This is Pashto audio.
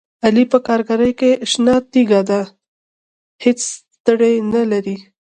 علي په کارګرۍ کې شنه تیږه دی، هېڅ ستړیې نه لري.